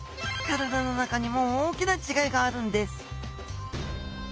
体の中にも大きな違いがあるんです